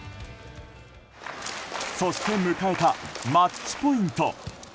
そして迎えたマッチポイント。